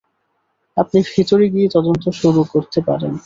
আপনি ভেতরে গিয়ে তদন্ত শুরু করতে পারেন।